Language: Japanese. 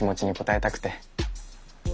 え？